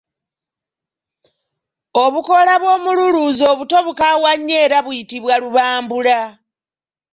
Obukoola bw’omululuuza obuto bukaawa nnyo era buyitibwa Lubambula.